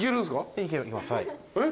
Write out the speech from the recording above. えっ？